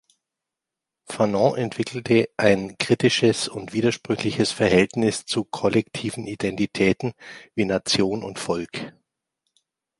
Fanon entwickelte ein kritisches und widersprüchliches Verhältnis zu „kollektiven Identitäten“, wie "Nation" und "Volk".